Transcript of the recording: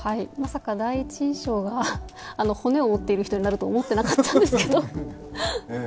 まさか第一印象が骨を折っている人になるとは思っていなかったんですけど。